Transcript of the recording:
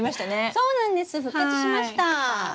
そうなんです復活しました。